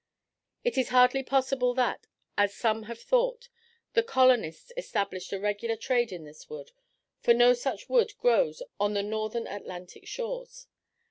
It is hardly possible that, as some have thought, the colonists established a regular trade in this wood for no such wood grows on the northern Atlantic shores.